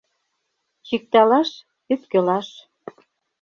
Чикталаш — ӧпкелаш.